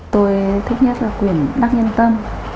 tôi thích nhất là quyển đắc nhân tâm